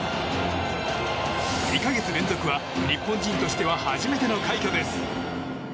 ２か月連続は日本人としては初めての快挙です。